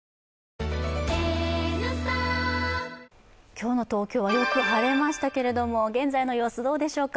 今日の東京はよく晴れましたけれども現在の様子どうでしょうか。